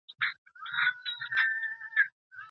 ښه پایله یوازي د استعداد په پایله کي نه سي ترلاسه کېدلای.